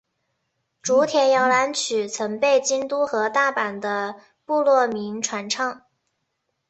竹田摇篮曲曾被京都和大阪的部落民传唱。